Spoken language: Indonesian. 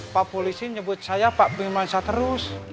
pak polisi nyebut saya pak birmansyah terus